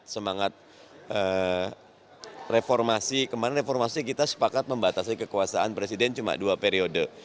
semangat reformasi kemarin reformasi kita sepakat membatasi kekuasaan presiden cuma dua periode